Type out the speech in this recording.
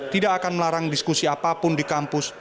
tidak akan melarang diskusi apapun di kampus